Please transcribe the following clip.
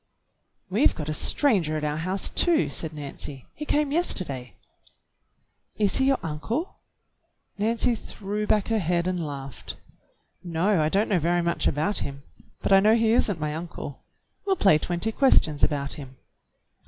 "We've got a stranger at our house, too," said Nancy. "He came yesterday." "Is he your uncle.^" Nancy threw back her head and laughed. "No, I don't know very much about him, but I know he is n't my uncle. We'll play twenty questions about him."